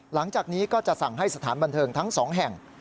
หลังจากนี้ก็จะสั่งให้สถานบันเทิงทั้ง๒แห่ง